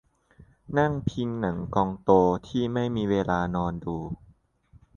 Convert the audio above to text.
นั่งพิงหนังกองโตที่ไม่มีเวลานอนดู